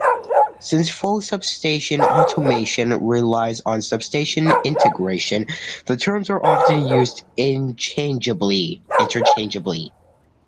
Since full substation automation relies on substation integration, the terms are often used interchangeably.